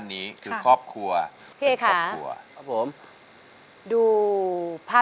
เปลี่ยนเพลงเพลงเก่งของคุณและข้ามผิดได้๑คำ